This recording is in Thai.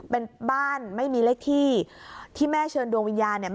เป็นบ้านไม่มีเลขที่ที่แม่เชิญดวงวิญญาณเนี่ย